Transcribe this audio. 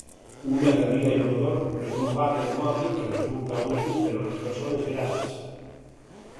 Una cadira inodor és un vàter mòbil que resulta útil per a les persones grans.